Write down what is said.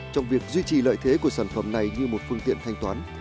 trong việc duy trì lợi thế của sản phẩm này như một phương tiện thanh toán